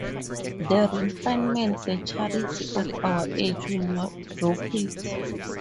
The refinement, the charity of our age, will not brook it.